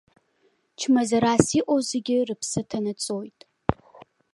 Чмазарас иҟоу зегьы рыԥсы ҭанаҵоит.